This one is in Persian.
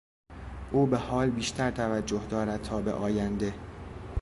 او به حال بیشتر توجه دارد تابه آینده.